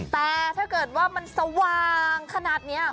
แต่ถ้าเกิดว่ามันสว่างขนาดนี้